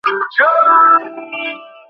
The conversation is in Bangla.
আমাদের অনেক কাজ আছে।